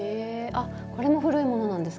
あこれも古いものなんですか？